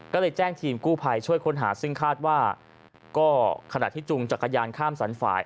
ก็เลยแจ้งทีมกู้ภัยช่วยค้นหาซึ่งคาดว่าก็ขณะที่จุงจักรยานข้ามสรรฝ่าย